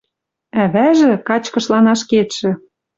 Ӓвӓжӹ, качкышлан ашкедшӹ